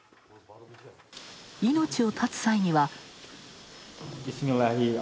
命を絶つ際には。